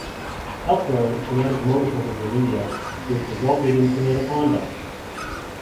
Elsewhere, the Kinetic Motor Company from India, which resulted in Kinetic Honda.